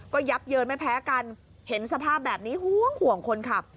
ก็ยับเยินไม่แพ้กันเห็นสภาพแบบนี้ห่วงคนขับ